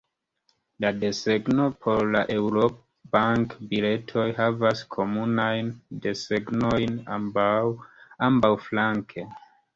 La desegno por la Eŭro-bankbiletoj havas komunajn desegnojn ambaŭflanke.